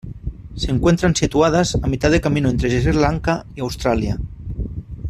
Se encuentran situadas a mitad de camino entre Sri Lanka y Australia.